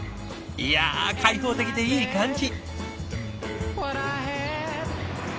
いや開放的でいい感じ！